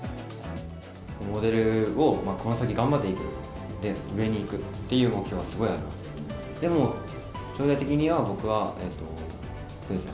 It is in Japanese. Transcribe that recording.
モデルをこの先頑張っていく、上に行くっていう目標は、すごいあります。